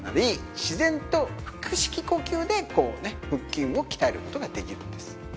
自然と腹式呼吸で腹筋を鍛える事ができるんです。